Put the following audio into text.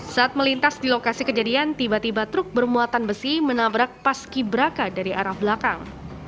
saat melintas di lokasi kejadian tiba tiba truk bermuatan besi menabrak paski braka dari arah belakang